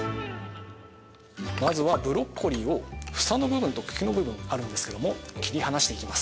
◆まずは、ブロッコリーを房の部分と茎の部分あるんですけども、切り離していきます。